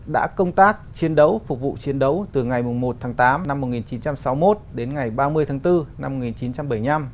đã công tác chiến đấu phục vụ chiến đấu từ ngày một tháng tám năm một nghìn chín trăm sáu mươi một đến ngày ba mươi tháng bốn năm một nghìn chín trăm bảy mươi năm